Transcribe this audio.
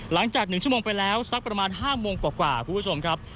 หลังจาก๑ชั่วโมงไปแล้วสักประมาณ๕โมงกว่าคุณผู้ชมครับ